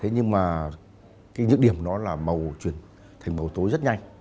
nhưng những điểm đó là màu chuyển thành màu tối rất nhanh